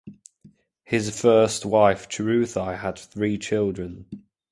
His first wife Chiruthei had three children.